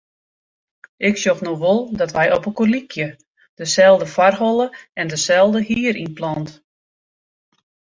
Ik sjoch no wol dat wy opelkoar lykje; deselde foarholle en deselde hierynplant.